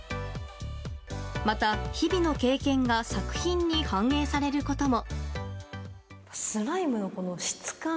また日々の経験が作品に反映されることも。